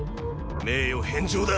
名誉返上だ！